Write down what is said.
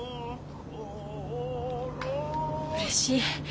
うれしい。